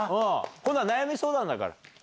今度は悩み相談だから。